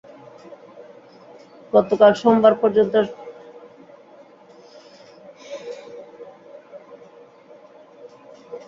গতকাল সোমবার সন্ধ্যা পর্যন্তও ঢাকায় কোনো ট্রেন আসেনি, ছেড়েও যায়নি কোনো ট্রেন।